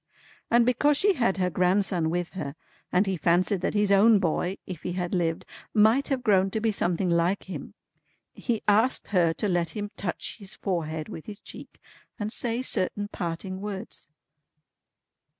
And because she had her grandson with her, and he fancied that his own boy, if he had lived, might have grown to be something like him, he asked her to let him touch his forehead with his cheek and say certain parting words."